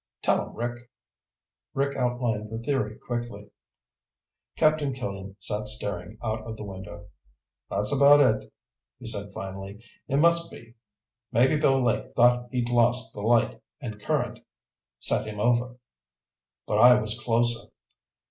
Tell him, Rick." Rick outlined the theory quickly. Captain Killian sat staring out of the window. "That's about it," he said finally. "It must be. Maybe Bill Lake thought he'd lost the light and current set him over, but I was closer.